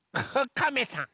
カメさん。